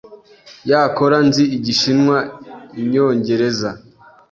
yakora nzi Igishinwa Iyongereza